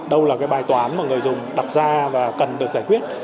đâu là cái bài toán mà người dùng đặt ra và cần được giải quyết